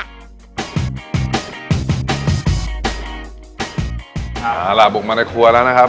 เอาล่ะบุกมาในครัวแล้วนะครับ